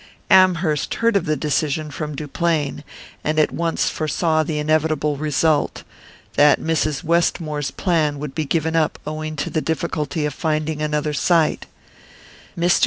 Amherst heard of the decision from Duplain, and at once foresaw the inevitable result that Mrs. Westmore's plan would be given up owing to the difficulty of finding another site. Mr.